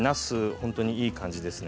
本当にいい感じですね